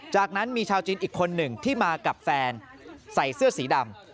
จากนั้นมีชาวจีนอีกคนหนึ่งที่มากับแฟนใส่เสื้อสีดำ